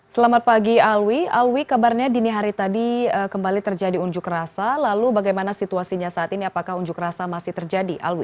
selamat pagi alwi alwi kabarnya dini hari tadi kembali terjadi unjuk rasa lalu bagaimana situasinya saat ini apakah unjuk rasa masih terjadi alwi